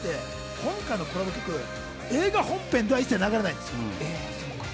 今回のコラボ曲、映画本編では一切流れないです。